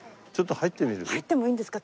入ってもいいんですか？